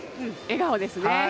笑顔ですね。